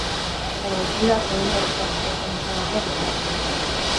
Baina itxuraz egungo esku hartze horren ezaugarriak beste batzuk dira.